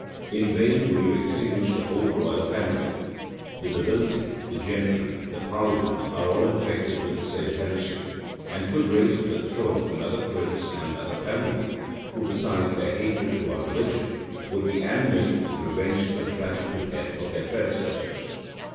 In vain would you extinguish the whole royal family: the nobility, the gentry, the parliament are all infected with the same heresy, and could raise to the throne another prince and another family, who, besides their hatred to our religion, would be animated with revenge for the tragical death of their predecessors.